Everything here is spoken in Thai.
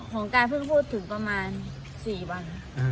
เป็นการพูดถึงประมานสี่วัน